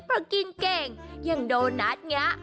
เพราะกินเก่งยังโดนัทง้ะ